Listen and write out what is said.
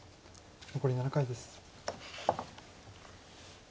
残り７回です。